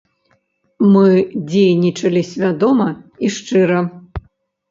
Мы дзейнічалі свядома і шчыра.